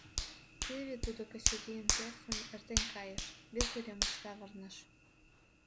Теве тудо Качырийын пӧртшым эртен кайыш, вес уремыш савырныш.